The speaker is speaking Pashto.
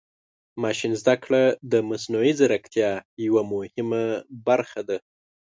ماشین زده کړه د مصنوعي ځیرکتیا یوه مهمه برخه ده.